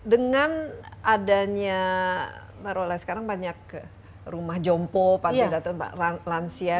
dengan adanya sekarang banyak rumah jompo panti datun lansia